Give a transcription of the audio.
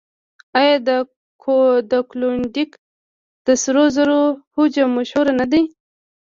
آیا د کلونډیک د سرو زرو هجوم مشهور نه دی؟